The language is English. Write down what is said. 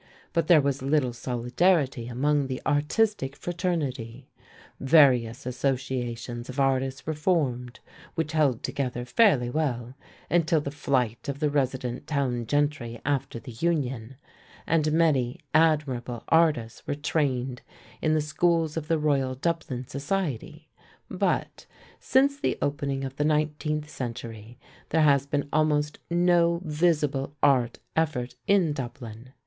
But there was little solidarity among the artistic fraternity. Various associations of artists were formed, which held together fairly well until the flight of the resident town gentry after the Union, and many admirable artists were trained in the schools of the Royal Dublin Society, but, since the opening of the nineteenth century, there has been almost no visible art effort in Dublin.